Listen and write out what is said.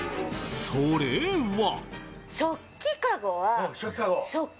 それは。